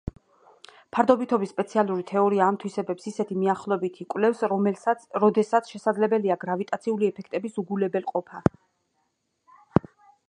ფარდობითობის სპეციალური თეორია ამ თვისებებს ისეთი მიახლოებით იკვლევს, როდესაც შესაძლებელია გრავიტაციული ეფექტების უგულვებელყოფა.